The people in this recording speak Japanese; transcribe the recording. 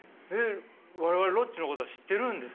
我々ロッチのことは知ってるんですか？